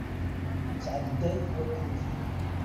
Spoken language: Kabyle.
Ittɛedday wakud.